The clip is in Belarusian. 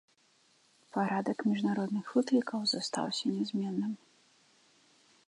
Парадак міжнародных выклікаў застаўся нязменным.